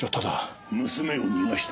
娘を逃がした。